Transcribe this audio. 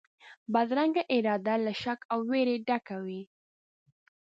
بدرنګه اراده له شک او وېري ډکه وي